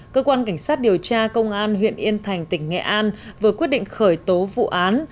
cơ quan cảnh sát điều tra công an huyện yên thành tỉnh nghệ an vừa quyết định khởi tố vụ án